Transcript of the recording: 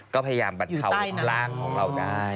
ก็พยามบัดเทาที่ล่างของเราได้